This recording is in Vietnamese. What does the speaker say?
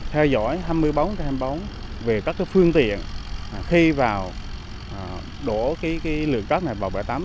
theo dõi hai mươi bốn hai mươi bốn về các phương tiện khi vào đổ lượng cát này vào bãi tắm